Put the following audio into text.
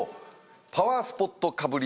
パワースポットかぶり